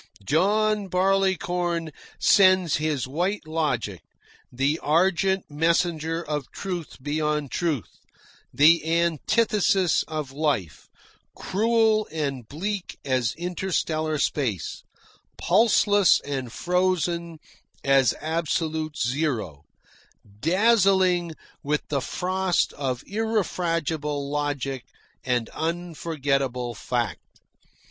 John Barleycorn sends his White Logic, the argent messenger of truth beyond truth, the antithesis of life, cruel and bleak as interstellar space, pulseless and frozen as absolute zero, dazzling with the frost of irrefragable logic and unforgettable fact.